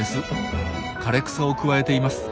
枯草をくわえています。